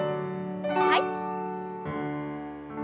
はい。